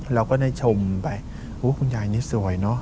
เราก็ได้ชมไปคุณยายนี่สวยเนอะ